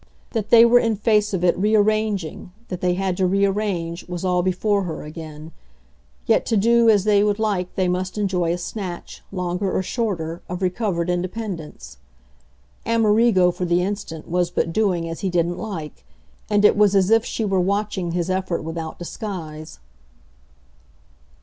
That they were in face of it rearranging, that they had to rearrange, was all before her again; yet to do as they would like they must enjoy a snatch, longer or shorter, of recovered independence. Amerigo, for the instant, was but doing as he didn't like, and it was as if she were watching his effort without disguise.